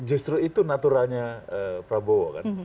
justru itu naturalnya prabowo kan